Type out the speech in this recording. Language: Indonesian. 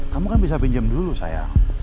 kamu kan bisa pinjam dulu saya